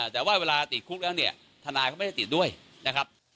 แต่ว่าเวลาติดคุกแล้วเนี่ยทนายก็ไม่ได้ติดด้วยนะครับ